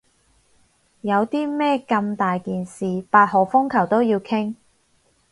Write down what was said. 有啲咩咁大件事八號風球都要傾？